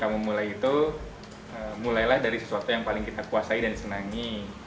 memulai itu mulailah dari sesuatu yang paling kita kuasai dan disenangi